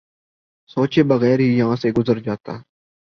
سوچے بغیر ہی یہاں سے گزر جاتا